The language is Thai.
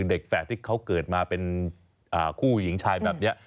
แฝดที่เขาเกิดมาเป็นคู่หญิงชายแบบนี้